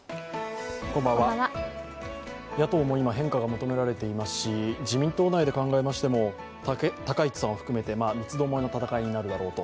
野党も今、変化が求められていますし自民党内で考えましても、高市さんを含めて三つ巴の戦いになるだろうと。